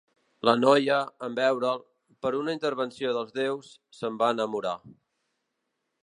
La noia, en veure'l, per una intervenció dels déus, se'n va enamorar.